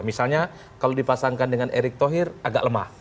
misalnya kalau dipasangkan dengan erick thohir agak lemah